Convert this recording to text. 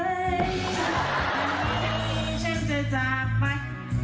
จริงนี่ฉันจะจากไป